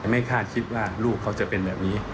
ไม่คาดคิดว่าลูกเขาจะเป็นแบบนี้